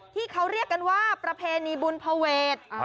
ที่เขาเรียกกันว่าประเพณีบุญภเวท